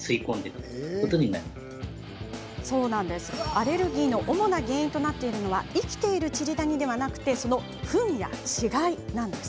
アレルギーの主な原因となっているのは生きているチリダニではなくそのフンや死骸なんです。